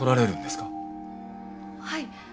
はい。